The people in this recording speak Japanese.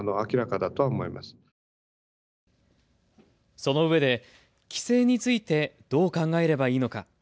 そのうえで帰省についてどう考えればいいのか。